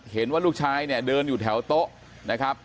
เห็นว่าลูกชายเนี่ยเดินอยู่แถวโต๊ะนะครับ